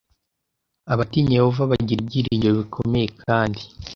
Abatinya Yehova bagira ibyiringiro bikomeye kandi